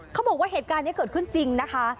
เขาบอกว่าเหตุการณ์นี้เกิดขึ้นจริงนะคะ